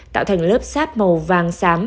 tạo thành lớp sáp màu vàng sám